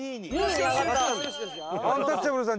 アンタッチャブルさん